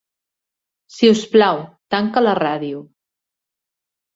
Si us plau, tanca la ràdio.